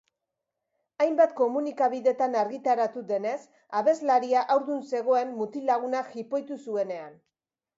Hainbat komunikabidetan argitaratu denez, abeslaria hardun zegoen mutil-lagunak jipoitu zuenean.